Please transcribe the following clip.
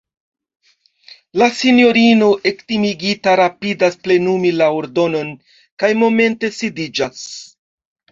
La sinjorino ektimigita rapidas plenumi la ordonon kaj momente sidiĝas.